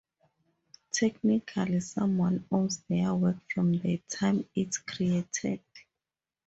Technically, someone owns their work from the time it's created.